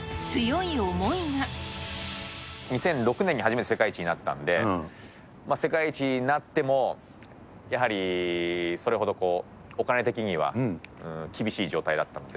２００６年に初めて世界一になったんで、世界一になってもやはりそれほどお金的には厳しい状態だったので。